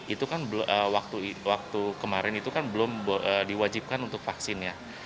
itu kan waktu kemarin itu kan belum diwajibkan untuk vaksin ya